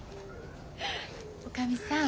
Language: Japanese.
おかみさん